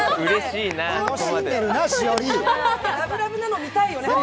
ラブラブなの見たいよね。